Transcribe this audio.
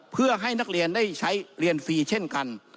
เพื่อให้นักเรียนได้ใช้เรียนฟรีเช่นกัน